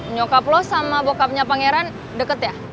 nyokap lo sama bokapnya pangeran deket ya